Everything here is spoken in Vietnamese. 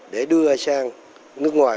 để đưa sang nước ngoài